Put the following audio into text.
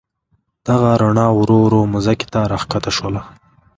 دغه رڼا ورو ورو مځکې ته راکښته شول.